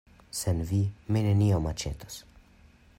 Sen vi mi nenion aĉetos.